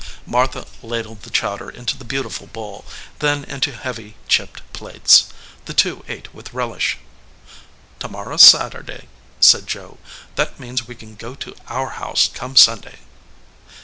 Martha ladled the chowder into the beautiful bowl, then into heavy, chipped plates. The two ate with relish. "To morrow s Saturday," said Joe. "That means we can go to Our House come Sunday."